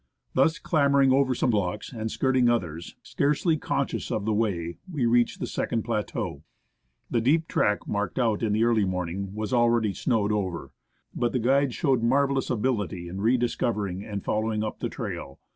Thus, clambering over some blocks, and skirting others, scarcely conscious of the way, we reached the second plateau. The deep track marked out in the early morning was already snowed over ; but the guides showed marvellous ability in re discovering and following up the trail.